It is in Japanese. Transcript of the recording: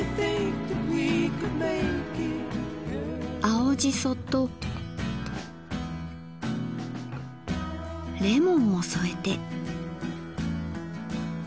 青じそとレモンも添えて。